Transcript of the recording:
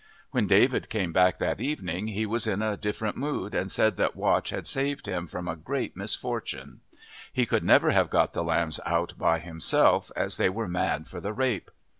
When David came back that evening he was in a different mood, and said that Watch had saved him from a great misfortune: he could never have got the lambs out by himself, as they were mad for the rape.